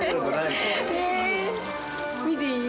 見ていい？